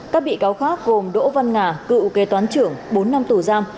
các bị cáo khác gồm đỗ văn ngà cựu kê toán trưởng bốn năm tù giam